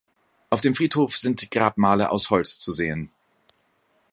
Auf dem Friedhof sind Grabmale aus Holz zu sehen.